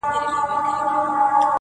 د آدم خان د ربابي اوښکو مزل نه یمه -